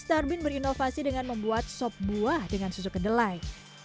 starbin berinovasi dengan membuat sop buah dengan susu kedelai